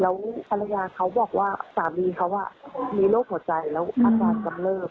แล้วภรรยาเขาบอกว่าสามีเขามีโรคหัวใจแล้วอาการกำเริบ